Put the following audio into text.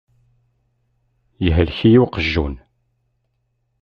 Yehlek-iyi uqjun.